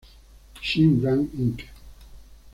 Shin-Ra, Inc.